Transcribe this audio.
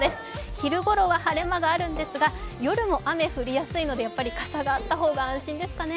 昼ごろは晴れ間があるんですが、夜も雨降りやすいので、傘があった方が安心ですかね。